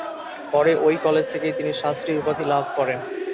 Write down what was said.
পরে ঐ কলেজ থেকেই তিনি ‘শাস্ত্রী’ উপাধি লাভ করেন।